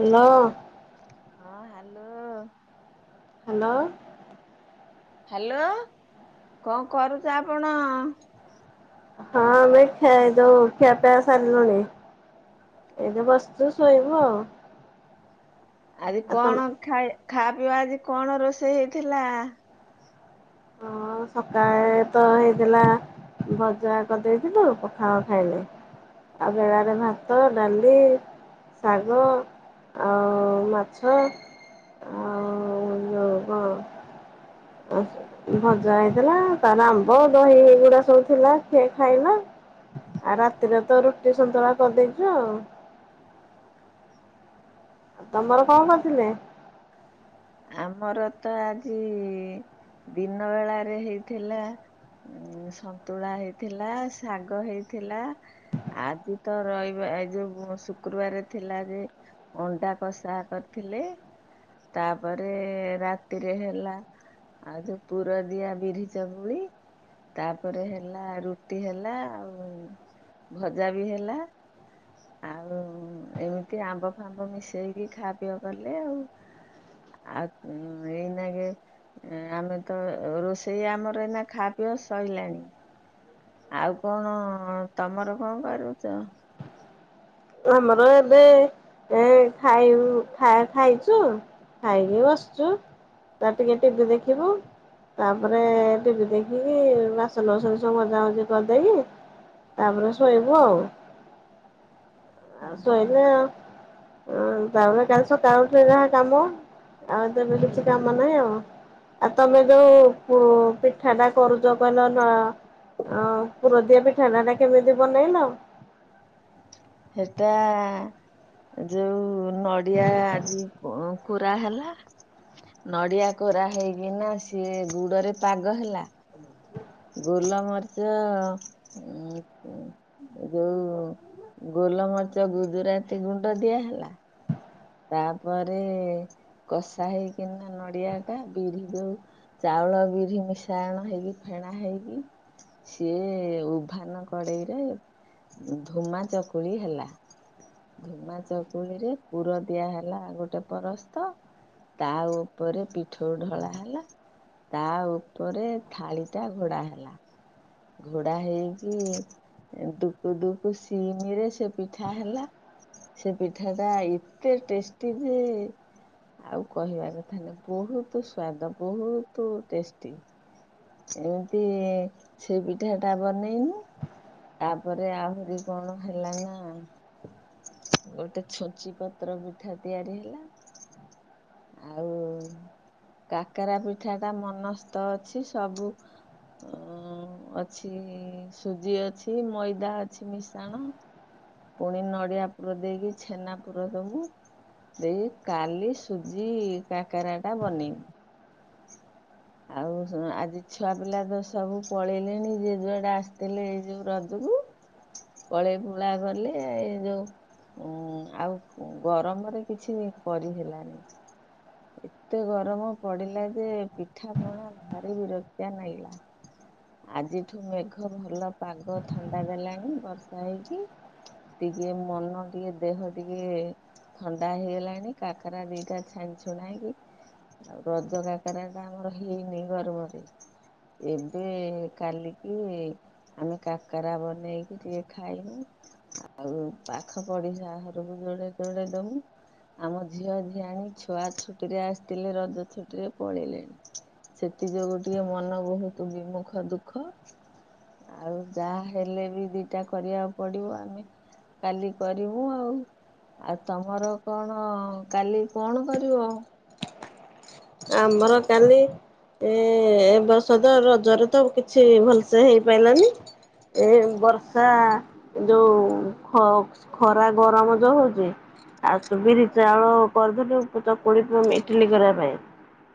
Hello. ହଁ hello. Hello. Hello, କଣ କରୁଚ ଆପଣ? ହଁ ଆମେ ଖା-ଯୋଉ ଖିଆ ପିଆ ସରଲାଣି। ଏଇବେ ବସିଛୁ ଶୋଇବୁ ଆଉ ଆଜି ଆଉ ତମେ କଣ ଖାଇ ଖାଇବା ପିଇବା ଆଜି କଣ ରୋଷେଇ ହେଇଥିଲା? ହଁ ସକାଳେ ତ ହେଇଥିଲା ଭଜା କରିଦେଇଥିଲୁ ପଖାଳ ଖାଇଲେ। ଆଉ ବେଳାରେ ଭାତ ଡାଲି ଶାଗ ଆଉ ମାଛ ଆ [inaudible] ଭଜା ହେଇଥିଲା ତାର ଆମ୍ବ ଦହିଗୁଡା ସବୁ ଥିଲା ସିଏ ଖାଇଲା। ଆଉ ରାତିରେ ତ ରୁଟି ସନ୍ତୁଳା କରିଦେଇଛୁ ଆଉ। ତମର କଣ କରଥିଲେ? ଆମର ତ ଆଜି ଦିନ ବେଳାରେ ହେଇଥିଲା ଉ ସନ୍ତୁଳା ହେଇଥିଲା ଶାଗ ହେଇଥିଲା ଆଜି ତ ରହିବ ଏଇ ଯୋ ଶୁକ୍ରବାର ଥିଲା ଯେ ଅଣ୍ଡା କଷା କରିଥିଲେ ତା ତାପରେ ରାତିରେ ହେଲା ଆଉ ଯୋଉ ପୁରଦିଆ ବିରି ଚକୁଳି ତାପରେ ହେଲା ରୁଟି ହେଲା ଆଉ ଭଜା ବି ହେଲା ଆଉ ଏମିତି ଆମ୍ବ ଫାମ୍ବ ମିଶେଇକି ଖାଆ ପିଅ କଲେ ଆଉ ଆଉ ଏଇନାାଗେ ଆମେ ତ ରୋଷେଇ ଆମର ଏଇନା ଖାପିଅ ସଇଲାଣି। ଆଉ କଣ ତମର କଣ କରୁଚ ଆମର ଏବେ ଏ ଖାବୁ ଖାଇ ଖାଇଚୁ ଖାଇକି ବସୁଛୁ ତ ଟିକେ ଟିବି ଦେଖିବୁ ତାପରେ ଟିଭି ଦେଖିକି ବାସନସନ ସବୁ ମଜା ମଜି କରିଦେଇକି ତାପରେ ଶୋଇବୁ ଆଉ ଆ ଶୋଇଲେ ଆ ତାପରେ କାଲି ସ ତାଉରେ ଯାହା କାମ ଆଉ ତେବେ କିଛି କାମ ନାହିଁ ଆଉ।। ଆଉ ତମେ ଯୋଉ ପିଠାଟା କରୁଛ କହିଲ ନ ଆ ପୁରଦିଆ ପିଠାଣାା ଟା କେମିତି ବନେଇଲା ଆଉ। ହେଟା ଯୋଉ ନଡିଆ ଆଜି କୋ କୋରା ହେଲା ନଡିଆ କୋରା ହେଇକିନା ସିଏ ଗୁଡରେ ପାଗ ହେଲା। ଗୋଲମରିଚ ଉ ଯୋଉ ଗୋଲମରିଚ ଗୁଜୁରାତି ଗୁଣ୍ଡ ଦିଆହେଲା। ତାପରେ କଷା ହେଇକିନା ନଡିଆ ଟା ବିରି ଯୋଉ ଚାଉଳ ବିରି ମିଶାାୟଣ ହେଇକି ଫେଣା ହେଇକି ସିଏ ଉଭାନ କଡ଼େଇରେ ଧୂମା ଚକୁଳି ହେଲା। ଧୂମା ଚକୁଳିରେ ପୁର ଦିଆ ହେଲା ଗୋଟେ ପରସ୍ତ ତା ଉପରେ ପିଠୋଉ ଢଳା ହେଲା। ତା ଉପରେ ଥାଳି ଟା ଘୋଡ଼ା ହେଲା। ଘୋଡ଼ା ହେଇଚି ଦୁକୁ ଦୁକୁ ସିମିରେ ସେ ପିଠା ହେଲା ସେ ପିଠା ଟା ଇ ଏ ଟେଷ୍ଟି ଯେ ଆଉ କହିବା କଥା ବହୁତ ସ୍ଵାଦ ବହୁତ ଟେଷ୍ଟି। ଜେନ୍ତି ସେଇ ପିଠା ଟା ବନେଇନୁ। ତାପରେ ଆହୁରି କଣ ହେଲା ନା ଗୋଟେ ଛଚି ପ ପତ୍ର ପିଠା ତିଆରି ହେଲା ଆଉ। କାକରା ପିଠା ଟା ମନସ୍ଥ ଅଛି ସବୁ। ଓଁ ଅଛି ସୁଜି ଅଛି ମଇଦା ଅଛି ମିଶାଣ। ପୁଣି ନଡିଆ ପୁର ଦେଇକି ଛେନା ପୁ ର ଦବୁ ଦେଇକି କାଲି ସୁଜି କାକରା ଟା ବନେଇମି। [unintelligible] ଆଉ [unintelligible] ଆଜି ଛୁଆ ପିଲା ତ ସବୁ ପଳେଇଲେଣି ଯିଏ ଯୁଆଡେ ଆସିଥିଲେ ଏଇ ଯୋଉ ର [unintelligible] ପଳେଇ ପୁଳା କଲେ ଏ ଯୋଉ। ଉଁ ଆଉ ଉଁ ଗରମରେ କିଛି କରିହେଲାନି। ଏତେ ଗରମ ପଡିଲା ଯେ ପିଠା ପଣା ଭାରି ବିରକ୍ତିଆ ନାଗୀଲା। ଆଜିଠୁ ମେଘ ଭଲ ପାଗ ଥଣ୍ଡା ଦେଲାଣିି ବର୍ଷା ହେଇକି। ଟିକେ ମନ ଟିକେ ଦେହ ଟିକେ। ଥଣ୍ଡା ହେଇଗଲାଣି କାକାରା ଦିଟା ଛାଣି ଛୁଣାଇକି ଆଉ ରଜ କା କାରା ଟା ଆମର ହେଇନି ଗରମରେ ଏବେ କାଲିକି। ଆମେ କାକାରା ବନେଇକି ଟିକେ ଖାଇମୁ। ଆଉ ପାଖ ପଡିଶାଘରକୁ ଯୋଡେ ଯୋଡେ ଦମୁ। ଆମ ଝିଅ, ଝିଆଣୀ, ଛୁଆ ଛୁଟିରେ ଆସିଥିଲେ ରଜ ଛୁଟିରେ। ପଳେଇଲେଣି ସେଥି ଯୋଗୁଁ ଟିକେ ମନ ବହୁତ ବିମୁଖ ଦୁଃଖ। ଆଉ ଯାହା ହେଲେ ବି ଦିଟା କରିବାକୁ ପଡିବ ଆମେ। କାଲି କରିବୁ ଆଉ। ଆଉ ତମର କଣ କାଲି କଣ କରିବ? ଆମର କାଲି। ଏ ଏ ବର୍ଷ ତ ରଜରେ ତ କିଛି ଭଲସେ ହେଇପାରିଲାନି। ଏ ବର୍ଷା। ଯୋଉ ଖ-ଖରା, ଗରମ ଯୋଉ ହଉଛି। ଆଉ ତୁ ବିରି, ଚାଉଳ କରିଦେଲୁ ଉ ଚକୁଳି [unintelligible] ଇଟିଲି କରିବା ପାଇଁ।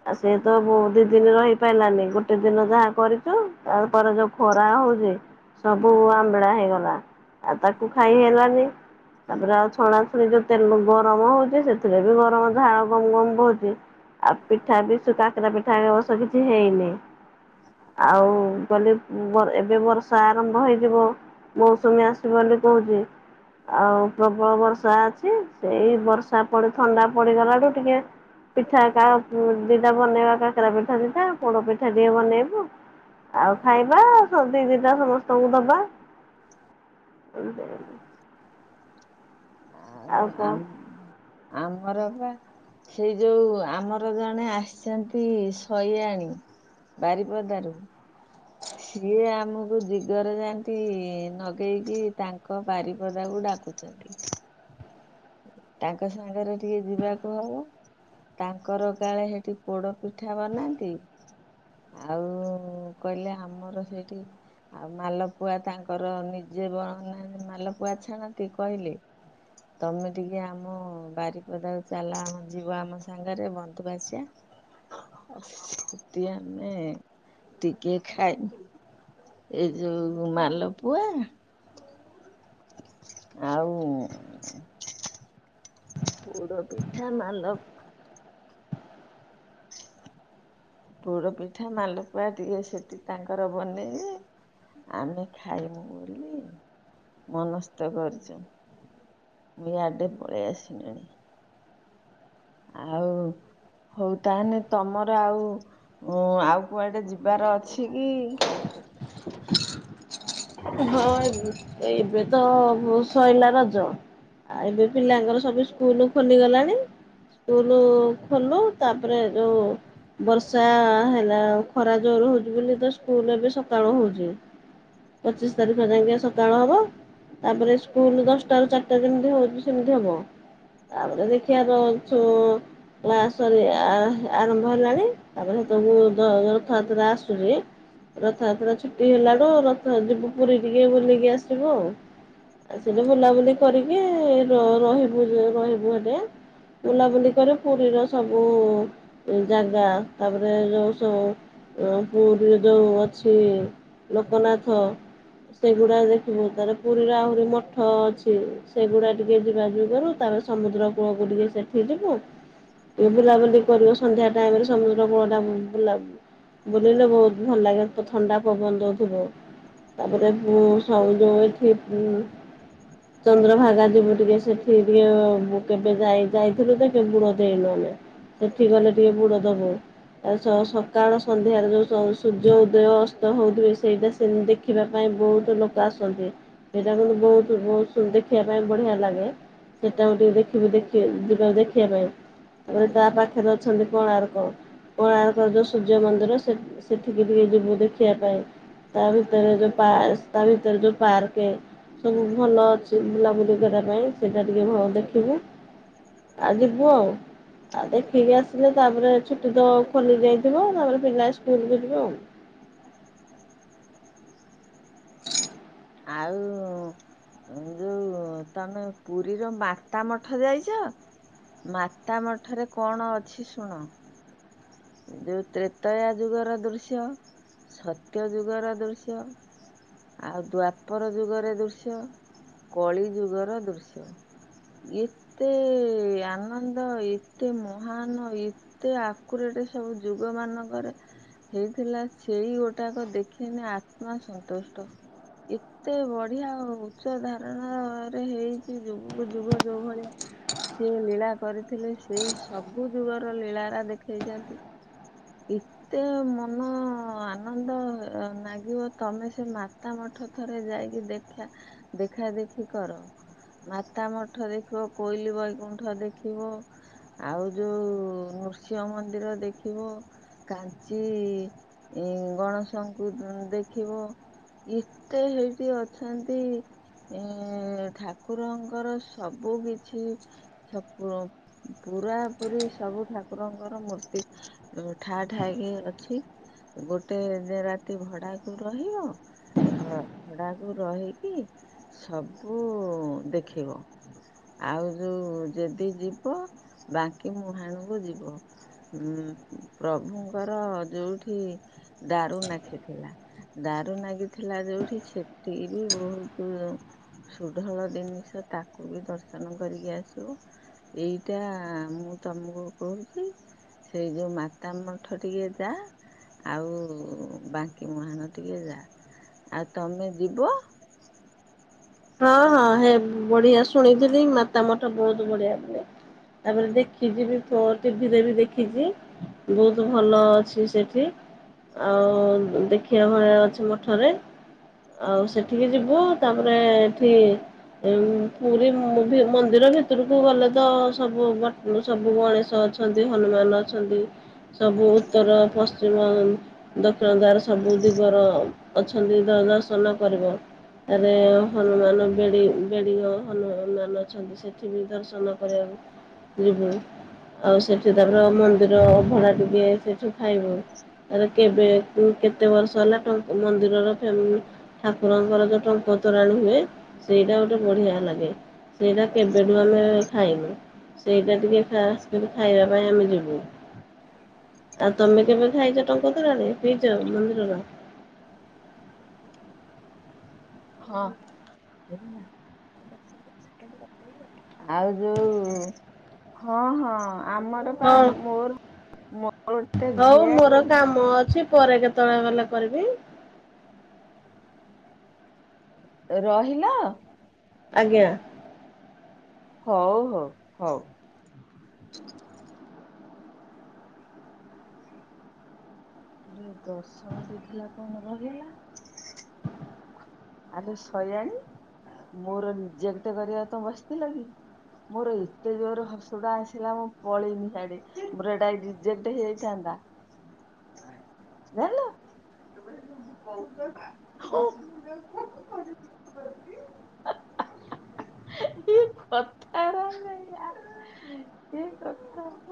ଆଉ ସିଏ ତ ବୋହୂ ଦି ଦିନ ରହିପାରିଲାନି ଗୋଟେ ଦିନ ଯାହା କରିଛୁ ତାପରେ ଯୋଉ ଖରା ହଉଛି। ସବୁ ଆମ୍ବିଳା ହେଇଗଲା ଆଉ ତାକୁ ଖାଇ ହେଲାନି। ତାପରେ ଆଉ ଛଣା ଛୁଣି ଯୋଉ ତେଲ ଗରମ ହଉଛି ସେଥିରେ ବି ଗରମ ଝାଳ ଗମ ଗମ ବୋହୁଛି। ଆଉ ପିଠା ବି ସେ କାକାରା ପିଠା ଏ ବର୍ଷ କିଛି ହେଇନି। ଆଉ [unintelligible] ଉଁ ବ ଏବେ ବର୍ଷା ଆରମ୍ଭ ହେଇଯିବ। ମୌସୁମୀ ଆସିବ ବୋଲି କହୁଛି। ଆଉ ପ୍ରବଳ ବର୍ଷା ଅଛି ସେଇ ବର୍ଷା ପଡି ଥଣ୍ଡା ପଡିଗଲାଠୁ ଟିକେ। ପିଠା କା ଉଁ ଦିଟା ବନେଇବା କାକାରା ପିଠା ଦିଟା ପୋଡ ପିଠା ଟିକେ ବନେଇବୁ। ଆଉ ଖାଇବା ସମସ୍ତିଙ୍କି ଦିଟା ସମସ୍ତଙ୍କୁ ଦବା। [unintelligible] ଆଉ ଆମ ଆମର ପା। ସେଇ ଯୋଉ ଆମର ଜଣେ ଆସିଛନ୍ତି ଶୟାଣି। ବାରିପଦାରୁ। ସିଏ ଆମକୁ ଦିଗର ଯାନ୍ତି ନଗେଇକି ତାଙ୍କ ବାରିପଦାକୁ ଡାକୁ ଚନ୍ତି। ତାଙ୍କ ସାଙ୍ଗରେ ଟିକେ ଯିବାକୁ ହବ। ତାଙ୍କର କାଳେ ହେଠି ପୋଡ଼ ପିଠା ବନାନ୍ତି। ଆଉ କହିଲେ ଆମର ସେଇଠି। ଆଉ ମାଲପୁଆ ତାଙ୍କର ନିଜେ ବ ମାଲପୁଆ ଛାଣନ୍ତି କହିଲେ। ତମେ ଟିକେ ଆମ ବାରିପଦାକୁ ଚାଲ ଆମ ଯିବ ଆମ ସାଙ୍ଗରେ ବନ୍ଧୁ ବାସିବା। ସେଟି ଆମେ ଟିକେ ଖାଇ ଏଇ ଯୋଉ ମାଲପୁଆ। ଆଉ ପୋଡ଼ ପିଠା ମାଲ ପୋଡ଼ ପିଠା ମାଲପୁଆ ଦିଅ ସେଠି ତାଙ୍କର ବନେଇବେ। ଆମେ ଖାଇମୁ ବୋଲି ମାନସ୍ତ କରିଛୁ। ବି ଆଡେ ପଳେଇ ଆସି ନିଣୀ। ଆଉ ହଉ ତାହେନେ ତମର ଆଉ ଆଉ କୁଆଡ଼େ ଯିବାର ଅଛି କି? ହଁ [unintelligible] ଏବେ ତ ଶଇଲା ରଜ। ଆଉ ଏବେ ପିଲାଙ୍କର ସବୁ ସ୍କୁଲ ଖୋଲିଗଲାଣି। ସ୍କୁଲୁ ଖୋଲୁ ତାପରେ ଯୋଉ ବର୍ଷା ହେଲା ଖରା ଜୋର ହଉଛି ବୋଲି ତ ସ୍କୁଲ ଏବେ ସକାଳୁ ହଉଛି। ପଚିଶି ତାରିଖ ଯାଇକେଁ ସକାଳ ହବ। ତାପରେ ସ୍କୁଲ ଦଶଟାରୁ ଚାରିଟା ଯେମିତି ହଉଛି ସେମିତି ହବ। ତାପରେ ଦେଖିବା ରହୁଛୁ [unintelligible] ଆ ଆରମ୍ଭ ହେଲାଣି ତାପରେ ସେତବେଳକୁ ର ରଥଯାତ୍ରା ଆସୁଛି। ରଥଯାତ୍ରା ଛୁଟି ହେଲାଠୁ ରଥରେ ଯିବୁ ପୁରୀ ଟିକେ ବୁଲିକି ଆସିବୁ ଆଉ। ଆ ସେଠୀ ବୁଲାବୁଲି କରିକି ର ରହିବୁ ରହିବୁ ହେଲେ। ବୁଲାବୁଲି କରେ ପୁରୀରେ ସବୁ ଜାଗା ତାପରେ ଯୋଉ ସୋ ଏ ପୁରୀରେ ଯୋଉ ଅଛି ଲୋକନାଥ। ସେଗୁଡ଼ା ଦେଖିବୁ ତାଲେ ପୁରୀରେ ଆହୁରି ମଠ ଅଛି। ସେଗୁଡ଼ା ଟିକେ ଯିବା ଜି କରୁ ତାପରେ ସମୁଦ୍ର କୂଳକୁ ଟିକେ ସେଠି ଯିବୁ। ଏ ବୁଲାବୁଲି କରିବ ସନ୍ଧ୍ୟା ଟାଇମ୍ ରେ ସମୁଦ୍ର କୁଳ ଟା ବୁଲା ବୁଲିଲେ ବହୁତ ଭଲ ଲାଗେ ତ ଥଣ୍ଡା ପବନ ଦଉଥିବ। [unintelligible] [inaudible] ଚନ୍ଦ୍ରଭାଗା ଯିବୁ ଟିକେ ସେଠି ଟିକେ କେବେ ଯାଇ ଯାଇଥିଲୁ ତ କେ ବୁଡ଼ ଦେଇନୁ ଆମେ। ସେଠି ଗଲେ ଟିକେ ବୁଡ଼ ଦବୁ। ଆ ସ ସକାଳ ସନ୍ଧ୍ୟାରେ ଯଉ ସ ସୂର୍ଯ୍ୟ ଉଦୟ ଅସ୍ତ ହଉଥିବେ ସେଇଟା [unintelligible] ଦେଖିବା ପାଇଁ ବହୁତ ଲୋକ ଆସନ୍ତି ସେଇଟା କିନ୍ତୁ ବହୁତ ବହୁ ତୁ ଦେଖିବା ପାଇଁ ବଢ଼ିଆ ଲାଗେ ସେଟାକୁ ଟିକେ ଦେଖିବି ଦେଖ ଯିବା ଦେଖିବା ପାଇଁ। ତାପରେ ତା ପାଖରେ ଅଛନ୍ତି କୋଣାର୍କ। କୋଣାର୍କ ଜୋଉ ସୂର୍ଯ୍ୟ ମନ୍ଦିର ସେ ସେଠିକି ଟିକେ ଯିବୁ ଦେଖିବା ପାଇଁ। ତା ଭିତରେ ଯୋ ପା ତା ଭିତରେ ଯୋଉ ପର୍କେ। ସବୁ ଭଲ ଅଛି ବୁଲାବୁଲି କରିବା ପାଇଁ ସେଇଟା ଟିକେ ଭ ଦେଖିବୁ। ଆ ଯିବୁ ଆଉ। ଆଉ ଦେଖିକି ଆସିଲେ ତାପରେ ଛୁଟି ତ ଖୋଲି ଯାଇଥିବ ତାପରେ ପିଲା ସ୍କୁଲକୁ ଯିବେ ଆଉ। [inaudible] ଆଉ ଯୋଉ ତମେ ପୁରୀର ମାତା ମଠ ଯାଇଛ? ମାତା ମଠରେ କଣ ଅଛି ଶୁଣ। ଯୋଉ ତ୍ରେତୟା ଯୁଗର ଦୃଶ୍ୟ ସତ୍ୟ ଯୁଗର ଦୃଶ୍ୟ, ଆଉ ଦ୍ୱା ଦ୍ୱାପର ଯୁଗରେ ଦୃଶ୍ୟ, କଳି ଯୁଗର ଦୃଶ୍ୟ। ଇଏ ଏତେ ଆନନ୍ଦ ଏତେ ମହାନ, ଏ ଏତେ ଆକୁରେଟ ସବୁ ଯୁଗ ମାନଙ୍କରେ। ହେଇଥିଲା। ସେଇ ଗୋଟାକ ଦେଖିନି ଆତ୍ମା ସନ୍ତୁଷ୍ଟ। ଏକ ଏତେ ବଢିଆ ଆଉ ଉଚ୍ଚ ଧାରଣା ରେ ହେଇଛି ଯେ ଯୁଗ ଯୋଉ ଭଳିଆ ସେଇ ଲୀଳା କରିଥିଲେ ସେଇ ସବୁ ଯୁଗର ଲୀଳାରା ଦେଖେଇଛନ୍ତି। [unintelligible] ଏତେ ମନ ଆନନ୍ଦ ନାଗିବ। ତମେ ସେ ମାତା ମଠ ଥରେ ଯାଇକି ଦେଖିଆ ଦେଖା ଦେଖି କର। ମାତା ମଠ ଦେଖିବ, କୋଇଲି ବୈକୁଣ୍ଠ ଦେଖିବ। ଆଉ ଯୋଉ ନୃସିଂହ ମନ୍ଦିର ଦେଖିବ। କାଞ୍ଚି ଏଁ ଗଣେଶଙ୍କୁ ଉଁ ଦେଖିବ ଏ ଏତେ ହେଇକି ଅଛନ୍ତି। ଏଁ ଠାକୁରଙ୍କର ସବୁ କିଛି [unintelligible] ପୁରାପୁରି ସବୁ ଠାକୁରଙ୍କର ମୂର୍ତ୍ତି। ଉଁ ଠା ଠା କି ଅଛି। ଗୋଟେ ରାତି ଭଡାକୁ ରହିବ। ଘ ଭଡ଼ାକୁ ରହିକି ସବୁ ଦେଖିବ। ଆଉ ଯୋଉ ଯଦି ଯିବ ବାଙ୍କି ମୁହାଣକୁ ଯିବ। ଉଁ ପ୍ରଭୁଙ୍କର ଯଉଠି ଦାରୁ ନାଖିଥିଲା। ଦାରୁ ନାଗିଥିଲା ଯୋଉଠି ସେଠିକି ବି ବହୁତୁ ସୁଢଳ ଜିନିଷ ତାକୁ ବି ଦର୍ଶନ କରିକି ଆସିବ। ଏଇଟା ମୁଁ ତମକୁ କହୁଛି। ସେଇ ଯୋଉ ମାତା ମଠ ଟିକେ ଯା। ଆଉ ବାଙ୍କି ମୁହାଣ ଟିକେ ଯା। ଆଉ ତମେ ଯିବ। ହଁ ହଁ ହେ ବଢିଆ ଶୁଣିଥିଲି। ମାତା ମଠ ବହୁତ ବଢିଆ। ତାପରେ ଦେଖିଛି ବି ଥ ଟିଭିରେ ବି ଦେଖିଛି। ବହୁତ ଭଲ ଅଛି ସେଠି। ଆଉ ଦେଖିବା ଭଳିଆ ଅଛି ମଠରେ। ଆଉ ସେଠିକି ଯିବୁ ତାପରେ ଏଠି ଆଉ ପୁରୀ ମ ମନ୍ଦିର ଭିତରକୁ ଗଲେ ତ ସବୁ ବା ମାନେ ସବୁ ଗଣେଶ ଅଛନ୍ତି। ହନୁମାନ ଅଛନ୍ତି। ସବୁ ଉତ୍ତର, ପଶ୍ଚିମ ଦକ୍ଷିଣ ଦ୍ୱାରରେ ସବୁ ଦିଗର ଅଛନ୍ତି ଦ ଦର୍ଶନ କରିବ। ତାରେ ହନୁମାନ ବେଡ଼ି ବେଡ଼ିଙ୍ଗ ହନୁମାନ ଅଛନ୍ତି ସେଠି ବି ଦର୍ଶନ କରିବାକୁ ଯିବୁ ଆଉ ସେଠି ତାପର ମନ୍ଦିର ଅଭଡା ଟିକେ ସେଠି ଖାଇବୁ। କେବେ ଉଁ କେତେ ବର୍ଷ ହେଲା ମନ୍ଦିରର ଠାକୁରଙ୍କର ଯୋଉ ଟଙ୍କ ତୋରାଣି ହୁଏ ସେଇଟା ଗୋଟେ ବଢିଆ ଲାଗେ। ସେଇଟା କେବେଠୁ ଆମେ ଖାଇନୁ। ସେଇଟା ଟିକେ ଖାସ କିରି ଖାଇବା ପାଇଁ ଆମେ ଯିବୁ। ଆଉ ତମେ କେବେ ଖାଇଛ ଟଙ୍କ ତୋରାଣି ପିଇଚ ମନ୍ଦିରର? [unintelligible] ଟିକେନାକୁ କଥା ହେଇକି କାଟି, ଆଉ ଯୋଉ ହଁ ହଁ ଆମର ହଁ [unintelligible] ମୋର-ମୋର ଗୋଟେ ଝିଆରି ମ ଅଛି [inaudible] ପରେ କେତବେଳେ ଗଲେ କରିବି। ରହିଲ। ଆଜ୍ଞା। ହଉ-ହଉ-ହଉ। [inaudible] ଗର୍ଷଣ ଦ ଥିଲା କଣ ଭଲ ହେଲା। ଆରେ ଶଇଆଣି ମୋର ନିଜେ ଗୋଟେ କରିବା ତ ବସିଥିଲ କି ମୋର ଏତେ ଜୋର୍ ହସୁଟା ଆସିଲା ମୁଁ ପଳେଇନି ଶାଢୀ ମୋର ଏଇଟା ରିଜେକ୍ଟ ହେଇଯାଇଥାନ୍ତା। ନଲ [inaudible] [inaudible] [inaudible] କି କଥା